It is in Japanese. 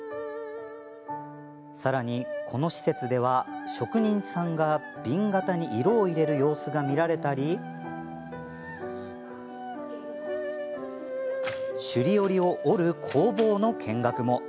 さらに、この施設では職人さんが、紅型に色を入れる様子が見られたり首里織を織る工房の見学も。